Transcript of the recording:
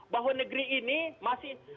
bahwa negeri ini masih